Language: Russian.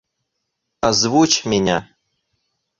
Озвучь меня.